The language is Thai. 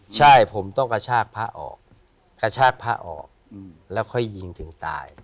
ใช่ผมต้องกระชากพระออกแล้วค่อยยิงถึงตาย